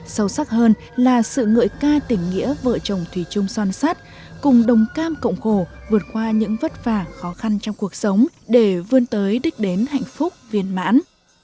sâu sắc hơn là sự ngợi ca tình nghĩa vợ chồng thủy trung son sắt cùng đồng cam cộng khổ vượt qua những vất vả khó khăn trong cuộc sống để vươn tới đích đến hạnh phúc viên mãn